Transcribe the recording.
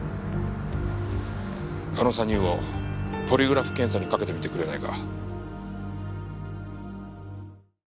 あの３人をポリグラフ検査にかけてみてくれないか？